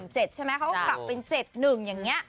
เขาก็กลับเป็น๗๑